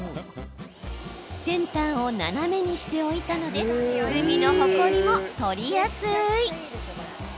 先端を斜めにしておいたので隅のほこりも取りやすい。